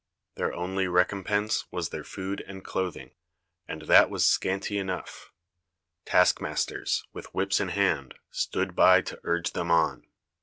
Their only recompense was their food and clothing, and that was scanty enough. Taskmasters, with whips in hand, stood by to urge them on.